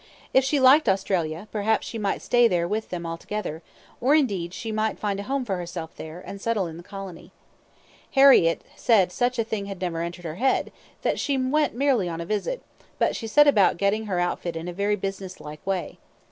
If she liked Australia, perhaps she might stay there with them altogether; or, indeed, she might find a home for herself there, and settle in the colony. Harriett said such a thing had never entered her head that she went merely on a visit; but she set about getting her outfit in a very business like way.